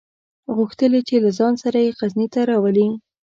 غوښتل یې چې له ځان سره یې غزني ته راولي.